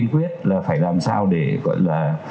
cho các gia đình các em bé